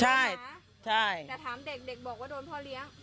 แต่ถามเด็กบอกว่าโดนพอเลี้ยง